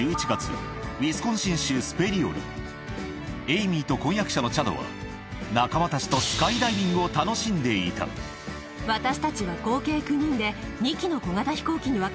エイミーと婚約者のチャドは仲間たちとスカイダイビングを楽しんでいた私たちは。